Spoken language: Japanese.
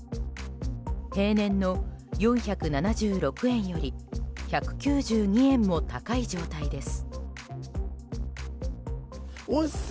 平年の４７６円より１９２円も高い状態です。